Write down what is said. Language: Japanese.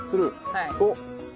はい。